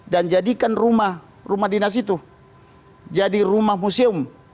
dan jadikan rumah rumah dinas itu jadi rumah museum